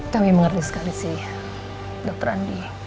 kami mengerti sekali sih dokter andi